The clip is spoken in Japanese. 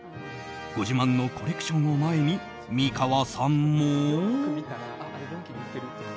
ご自慢のコレクションを前に美川さんも。